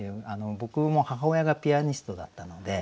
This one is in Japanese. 僕も母親がピアニストだったので。